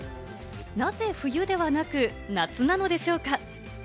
なぜ冬ではなく夏なのでしょうか？